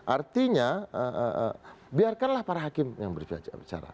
artinya biarkanlah para hakim yang bicara